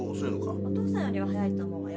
お父さんよりは早いと思うわよ。